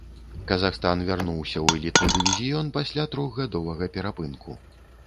Казахстан вярнуўся ў элітны дывізіён пасля трохгадовага перапынку.